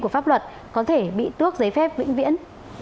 của pháp luật có thể bị tước giấy phép vĩnh viễn